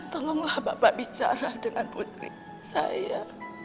tolonglah bapak bicara dengan putri saya